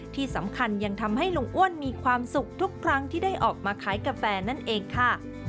ที่สำคัญยังทำให้ลุงอ้วนมีความสุขทุกครั้งที่ได้ออกมาขายกาแฟนั่นเองค่ะ